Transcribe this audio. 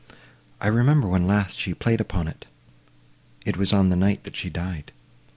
I remember when last she played upon it—it was on the night that she died.